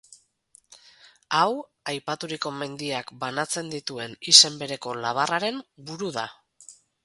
Hau, aipaturiko mendiak banatzen dituen izen bereko labarraren buru da.